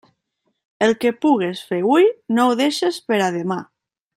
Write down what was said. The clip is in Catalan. El que pugues fer hui no ho deixes per a demà.